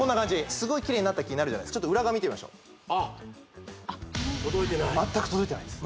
すごいキレイになった気になるじゃないですかちょっと裏側見てみましょう届いてない全く届いてないんです